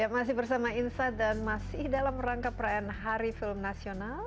masih bersama insight dan masih dalam rangka perayaan hari film nasional